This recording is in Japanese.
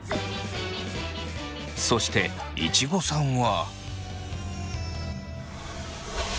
そしていちごさんは。